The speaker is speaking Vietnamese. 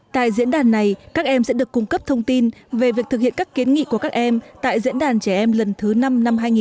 tại diễn đàn này các em sẽ được cung cấp thông tin về việc thực hiện các kiến nghị của các em tại diễn đàn trẻ em lần thứ năm năm hai nghìn một mươi chín